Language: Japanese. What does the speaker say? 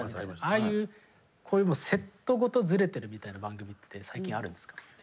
ああいうセットごとズレてるみたいな番組って最近あるんですか？